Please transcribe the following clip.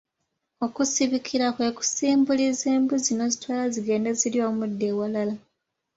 Okusibikira kwe kusimbuliza embuzi n'ozitwala zigende zirye omuddo ewalala.